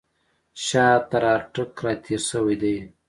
شاه تر اټک را تېر شوی دی.